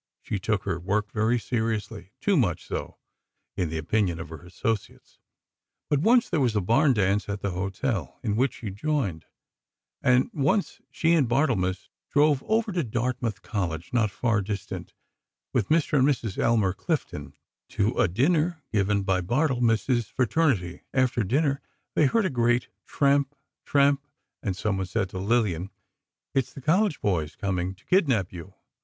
She took her work very seriously—too much so, in the opinion of her associates. But once there was a barn dance at the hotel, in which she joined; and once she and Barthelmess drove over to Dartmouth College, not far distant, with Mr. and Mrs. Elmer Clifton, to a dinner given them by Barthelmess's fraternity. After dinner, they heard a great tramp, tramp, and someone said to Lillian: "It's the college boys, coming to kidnap you."